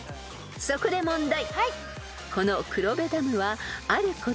［そこで問題］